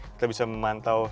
kita bisa memantau